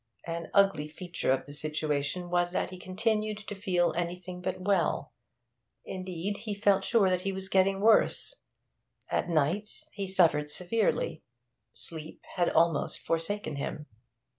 An ugly feature of the situation was that he continued to feel anything but well; indeed, he felt sure that he was getting worse. At night he suffered severely; sleep had almost forsaken him.